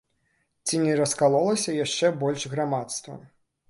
Ці не раскалолася яшчэ больш грамадства?